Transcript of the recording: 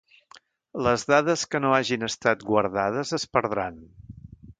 Les dades que no hagin estat guardades es perdran.